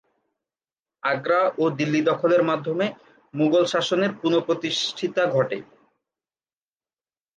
আগ্রা ও দিল্লি দখলের মাধ্যমে মুগল শাসনের পুনঃপ্রতিষ্ঠিতা ঘটে।